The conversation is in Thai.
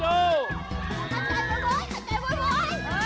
เออมาเลย